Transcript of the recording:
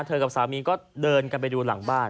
กับสามีก็เดินกันไปดูหลังบ้าน